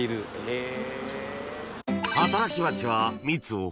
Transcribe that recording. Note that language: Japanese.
へぇ。